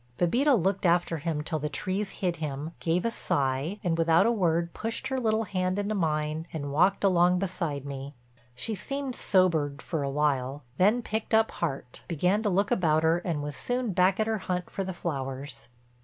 Bébita looked after him till the trees hid him, gave a sigh, and without a word pushed her little hand into mine and walked along beside me. She seemed sobered for a while, then picked up heart, began to look about her, and was soon back at her hunt for the flowers.